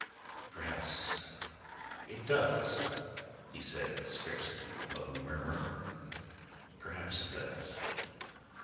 "Perhaps it does," he said, scarcely above a murmur. "Perhaps it does."